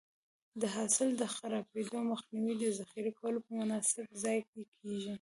د حاصل د خرابېدو مخنیوی د ذخیره کولو په مناسب ځای کې کېږي.